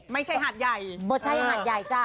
ไม่ใช่หัดใหญ่